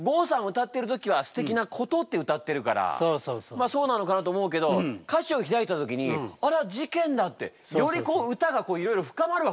歌ってる時は「すてきなこと」って歌ってるからまあそうなのかなと思うけど歌詞を開いた時に「あら『事件』だ」ってより歌がいろいろ深まるわけですね。